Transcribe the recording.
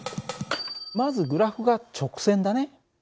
まずグラフが直線だね。